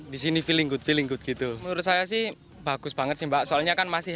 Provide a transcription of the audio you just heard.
di sini feeling good feeling good gitu menurut saya sih bagus banget sih mbak soalnya kan masih